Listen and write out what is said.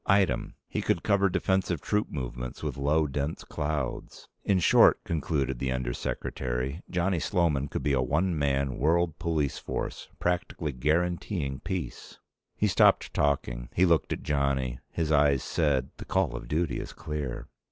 Item. He could cover defensive troop movements with low, dense clouds. In short, concluded the Under Secretary, Johnny Sloman could be a one man world police force practically guaranteeing peace. He stopped talking. He looked at Johnny. His eyes said, the call of duty is clear.